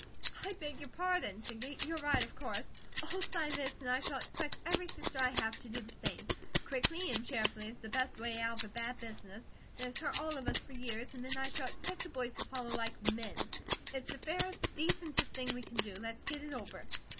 "I beg your pardon," said Kate. "You're right, of course. I'll sign this, and I shall expect every sister I have to do the same, quickly and cheerfully, as the best way out of a bad business that has hurt all of us for years, and then I shall expect the boys to follow like men. It's the fairest, decentest thing we can do, let's get it over."